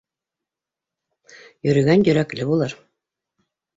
Йөрөгән йөрәкле булыр.